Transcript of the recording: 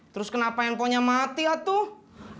terus kenapa handphonenya mati atut